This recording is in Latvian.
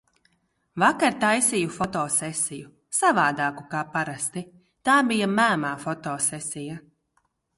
Vakar taisīju fotosesiju. Savādāku kā parasti. Tā bija mēmā fotosesija.